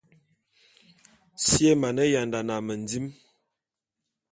Si é mane yandane a mendim.